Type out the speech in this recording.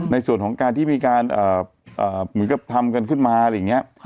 ในส่วนของการที่มีการเหมือนกับทำกันขึ้นมาอะไรอย่างนี้